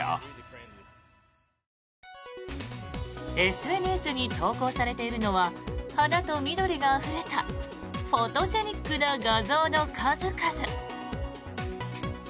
ＳＮＳに投稿されているのは花と緑があふれたフォトジェニックな画像の数々。